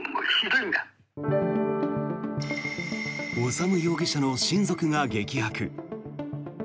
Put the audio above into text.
修容疑者の親族が激白。